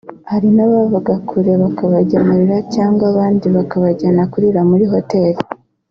hari n’abavaga kure bakabagemurira cyangwa abandi bakabajyana kurira muri hoteli